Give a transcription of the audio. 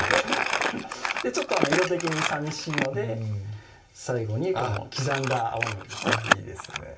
ちょっと色的にさみしいので最後にこの刻んだ青ねぎですねいいですね